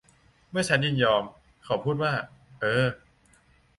เมื่อฉันยินยอม เขาพูดว่า เออ